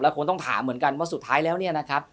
คงต้องถามเหมือนกันว่าสุดท้ายแล้วเนี่ยนะครับ